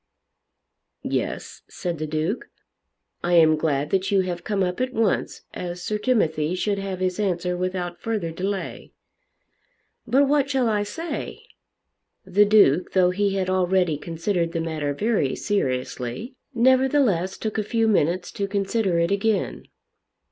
"Yes," said the Duke, "I am glad that you have come up at once, as Sir Timothy should have his answer without further delay." "But what shall I say?" The Duke, though he had already considered the matter very seriously, nevertheless took a few minutes to consider it again.